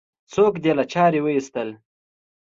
څوک دې له چارې وایستل؟